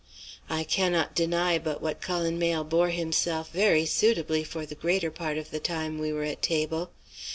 "I cannot deny but what Cullen Mayle bore himself very suitably for the greater part of the time we were at table.